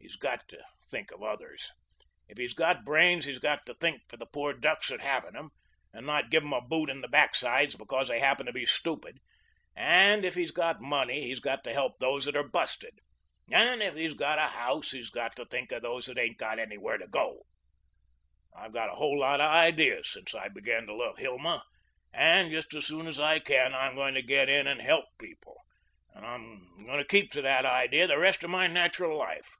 He's got to think of others. If he's got brains, he's got to think for the poor ducks that haven't 'em, and not give 'em a boot in the backsides because they happen to be stupid; and if he's got money, he's got to help those that are busted, and if he's got a house, he's got to think of those that ain't got anywhere to go. I've got a whole lot of ideas since I began to love Hilma, and just as soon as I can, I'm going to get in and HELP people, and I'm going to keep to that idea the rest of my natural life.